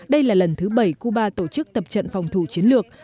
đây là lần thứ bảy cuba tổ chức tập trận phòng thủ chiến lược